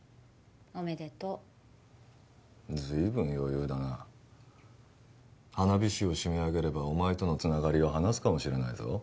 おめでとうずいぶん余裕だな花火師を締め上げればお前とのつながりを話すかもしれないぞ